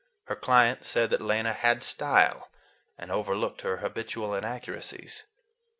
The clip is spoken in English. Her clients said that Lena "had style," and overlooked her habitual inaccuracies.